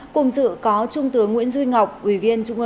cùng dự có trung tướng nguyễn duy ngọc ủy viên trung ương